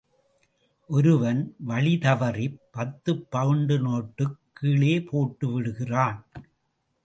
ஒருவன் வழி தவறிப் பத்து பவுண்டு நோட்டுக் கீழே போட்டுவிடுகிறான்.